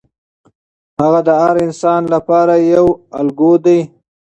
هغه د هر انسان لپاره یو الګو دی.